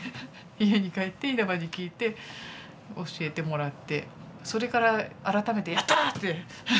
家に帰って稲葉に聞いて教えてもらってそれから改めてヤッター！って。